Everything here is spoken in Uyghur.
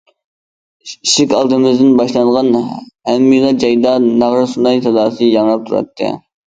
ئىشىك ئالدىمىزدىن باشلانغان ھەممىلا جايدا ناغرا- سۇناي ساداسى ياڭراپ تۇراتتى.